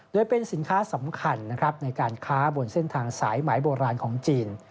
โดยเป็นสินค้าสำคัญนะครับในการค้าบนเส้นทางสายหมายโบราณของจีน